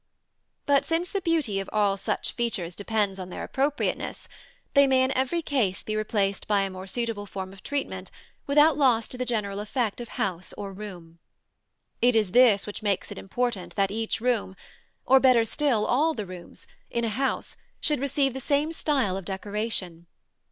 But since the beauty of all such features depends on their appropriateness, they may in every case be replaced by a more suitable form of treatment without loss to the general effect of house or room. It is this which makes it important that each room (or, better still, all the rooms) in a house should receive the same style of decoration.